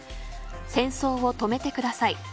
戦争を止めてください。